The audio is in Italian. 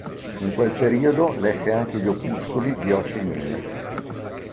In quel periodo lesse anche gli opuscoli di Ho Chi Minh.